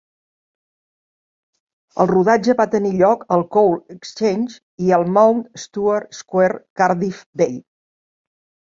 El rodatge va tenir lloc al Coal Exchange i al Mount Stuart Square, Cardiff Bay.